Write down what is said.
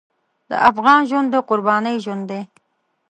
د افغان ژوند د قربانۍ ژوند دی.